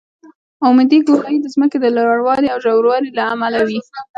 عمودي ګولایي د ځمکې د لوړوالي او ژوروالي له امله وي